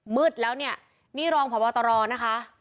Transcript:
มืดแล้วเนี่ยนี่รองพบตรนะคะ